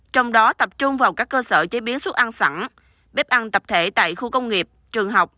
trong đó tập trung vào các cơ sở chế biến xuất ăn sẵn bếp ăn tập thể tại khu công nghiệp trường học